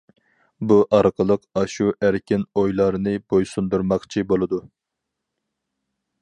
بۇ ئارقىلىق ئاشۇ ئەركىن ئويلارنى بوي سۇندۇرماقچى بولىدۇ.